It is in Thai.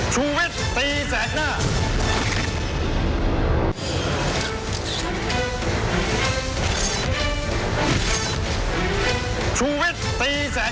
ชุวิตตีแสดหน้า